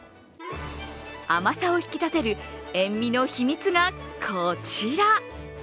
甘さを引き立てる塩みの秘密が、こちら。